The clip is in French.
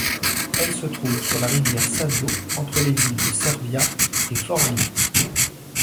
Elle se trouve sur la rivière Savio entre les villes de Cervia et Forlì.